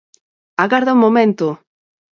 _¡Agarda un momento!